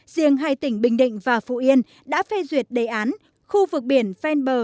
riêng hai tỉnh bình định và phụ yên đã phê duyệt đề án khu vực biển ven bờ